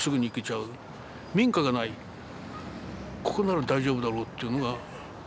ここなら大丈夫だろうっていうのが。